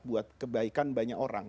buat kebaikan banyak orang